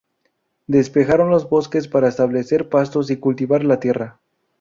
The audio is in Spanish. Despejaron los bosques para establecer pastos y cultivar la tierra.